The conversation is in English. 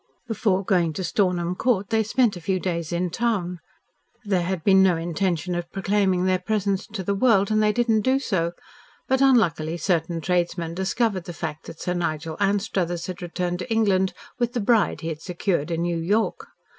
Before going to Stornham Court they spent a few days in town. There had been no intention of proclaiming their presence to the world, and they did not do so, but unluckily certain tradesmen discovered the fact that Sir Nigel Anstruthers had returned to England with the bride he had secured in New York.